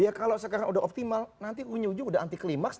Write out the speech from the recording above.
ya kalau sekarang udah optimal nanti ujung ujung udah anti klimaks